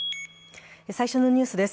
最初のニュースです。